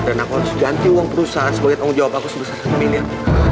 dan aku harus ganti uang perusahaan sebagai tanggung jawab aku sebesar miliar